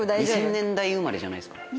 ２０００年代生まれじゃないですか。